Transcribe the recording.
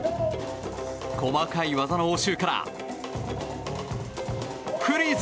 細かい技の応酬からフリーズ。